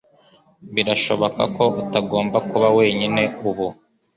Birashoboka ko utagomba kuba wenyine ubu